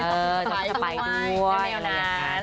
ก็จะไปด้วยแนวนั้น